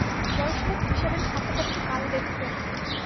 বড়োসাহেব হিসাবের খাতাপত্র কাল দেখবেন।